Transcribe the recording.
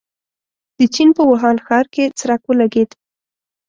د چين په ووهان ښار کې څرک ولګېد.